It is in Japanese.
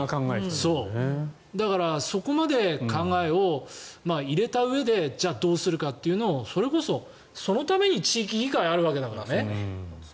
だからそこまで考えを入れたうえでじゃあ、どうするかというのをそのために地域議会があるわけだからね。